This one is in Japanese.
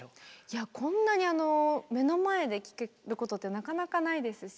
こんなに目の前で聴けることってなかなかないですし。